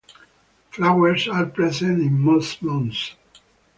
Flowers are present in most months.